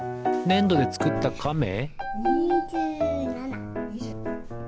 ねんどでつくったカメ？